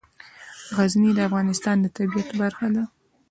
غزني د افغانستان د طبیعت برخه ده.